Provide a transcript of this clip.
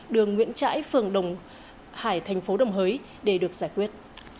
đường nguyễn trãi phường đồng hải thành phố đồng hới để được giải quyết